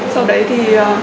sau đấy thì